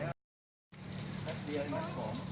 เอาทีสีขาวก่อน